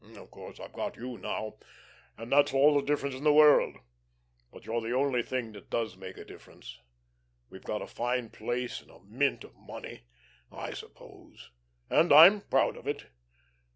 Of course I've got you now, and that's all the difference in the world. But you're the only thing that does make a difference. We've got a fine place and a mint of money I suppose and I'm proud of it.